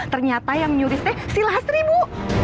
ternyata yang nyurisnya si lastri bu